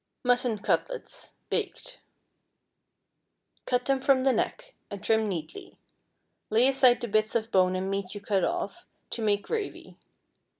MUTTON CUTLETS. (Baked). Cut them from the neck, and trim neatly. Lay aside the bits of bone and meat you cut off, to make gravy.